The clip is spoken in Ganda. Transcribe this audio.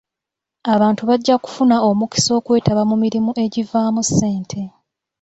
Abantu bajja kufuna omukisa okwetaba mu mirimu egivaamu ssente.